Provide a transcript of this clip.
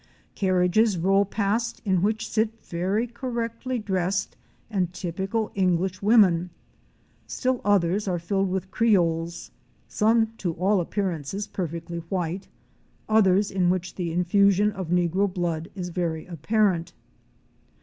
Carriages roll past in which sit very correctly dressed and typical English women; still others are filled with creoles, some to all appear ances perfectly white, others in which the infusion of negro blood is very apparent.